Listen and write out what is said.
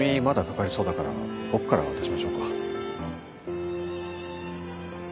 まだかかりそうだから僕から渡しましょうか？